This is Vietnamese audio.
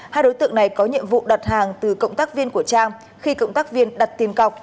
hai đối tượng này có nhiệm vụ đặt hàng từ cộng tác viên của trang khi cộng tác viên đặt tiền cọc